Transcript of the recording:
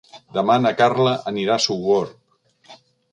Demà na Carla anirà a Sogorb.